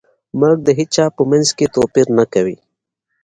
مرګ د هیچا په منځ کې توپیر نه کوي.